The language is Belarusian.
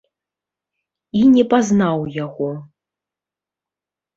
І не пазнаў яго.